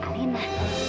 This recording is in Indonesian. ketawa banget sih